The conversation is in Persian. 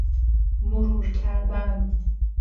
مرور کردن